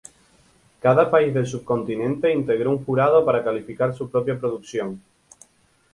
Cada país del subcontinente integró un jurado para calificar su propia producción.